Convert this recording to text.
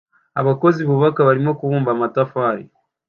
Abakozi bubaka barimo kubumba amatafari